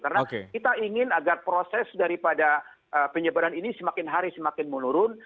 karena kita ingin agar proses daripada penyebaran ini semakin hari semakin menurun